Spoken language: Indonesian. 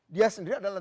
dia sendiri adalah